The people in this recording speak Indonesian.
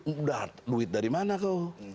udah duit dari mana kok